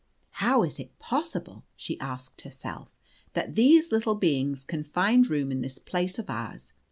"How is it possible," she asked herself, "that these little beings can find room in this place of ours?